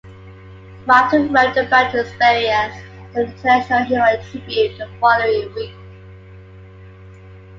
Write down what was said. Martin wrote about his experience in the "International Herald Tribune" the following week.